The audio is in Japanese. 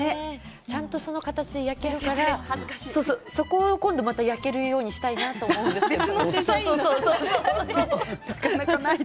ちゃんとその形で焼けるから今度その場所をちゃんと焼けるようにしたいなと思うんですけれど。